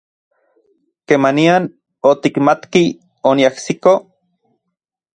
¿Kemanian otikmatki oniajsiko?